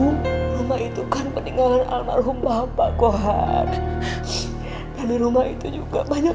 kode kode peternakan almarhum bapak kohar when rumah itu juga banyak